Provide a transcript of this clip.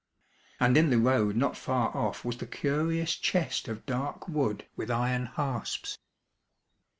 And in the road not far off was the curious chest of dark wood with iron hasps.